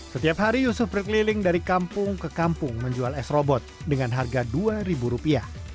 setiap hari yusuf berkeliling dari kampung ke kampung menjual s robot dengan harga rp dua